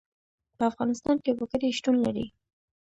په افغانستان کې وګړي شتون لري.